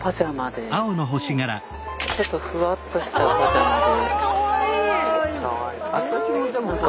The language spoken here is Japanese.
ちょっとフワッとしたパジャマで。